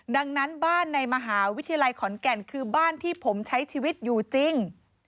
ดังนั้นบ้านในมหาวิทยาลัยขอนแก่นคือบ้านที่ผมใช้ชีวิตอยู่จริง